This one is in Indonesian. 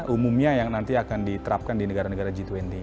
umumnya yang nanti akan diterapkan di negara negara g dua puluh